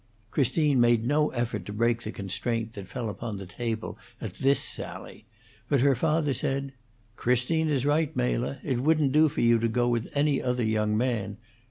Christine made no effort to break the constraint that fell upon the table at this sally, but her father said: "Christine is right, Mela. It wouldn't do for you to go with any other young man.